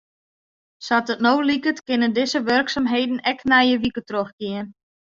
Sa't it no liket kinne dizze wurksumheden ek nije wike trochgean.